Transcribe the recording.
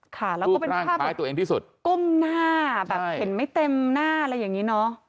ค่ะแล้วก็เป็นภาพกลุ่มหน้าแบบเห็นไม่เต็มหน้าอะไรอย่างนี้เนาะ